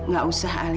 gak usah alena